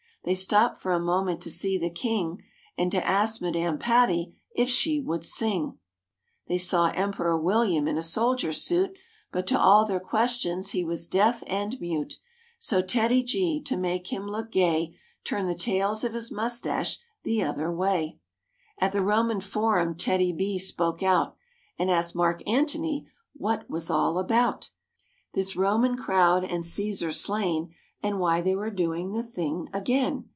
They stopped for a moment to see the King And to ask Madame Patti if she would sing. They saw Emperor William in a soldier suit, But to all their questions he was deaf and mute; So TEDDY—G, to make him look gay, Turned the tails of his moustache the other way. THE BEARS SEE THE WAX MUSEE 39 At the Roman Forum, TEDDY—B spoke out And asked Mark Antony what't was all about: This Roman crowd and Caesar slain And why they were .doing the thing again.